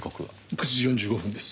９時４５分です。